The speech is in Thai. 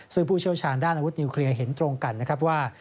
ซึ่งผู้เชี่ยวชาญด้านอาวุธนิวเคลียร์เห็นตรงกันนะครับว่า